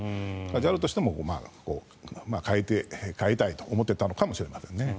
ＪＡＬとしても代えたいと思っていたのかもしれないです。